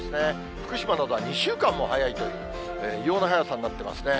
福島などは２週間も早いという、異様な早さになってますね。